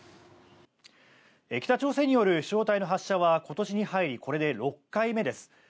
北朝鮮による飛翔体の発射は今年に入りこれで６回目です。